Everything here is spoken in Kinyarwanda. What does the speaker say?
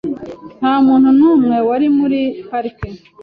Nta muntu n'umwe wari muri parike .